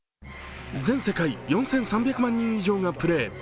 全世界４３００万人以上がプレイ。